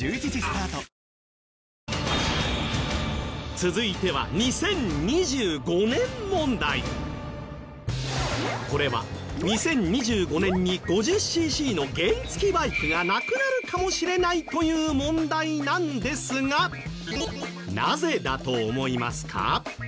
続いてはこれは２０２５年に５０シーシーの原付バイクがなくなるかもしれないという問題なんですがなぜだと思いますか？